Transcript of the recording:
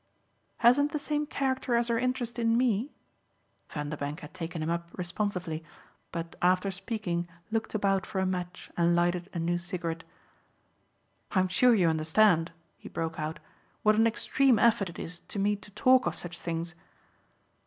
"Hasn't the same character as her interest in ME?" Vanderbank had taken him up responsively, but after speaking looked about for a match and lighted a new cigarette. "I'm sure you understand," he broke out, "what an extreme effort it is to me to talk of such things!"